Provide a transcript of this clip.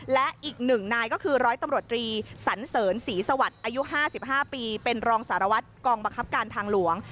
และอีกหนึ่งนายก็คือร้อยตำรวจตรีสันเสริญศรีสวัสดิ์อายุ๕๕ปีเป็นรองสารวัตรกองบังคับการทางหลวง